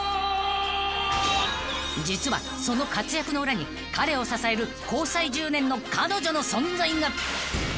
［実はその活躍の裏に彼を支える交際１０年の彼女の存在が］